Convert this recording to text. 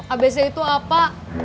abc itu apa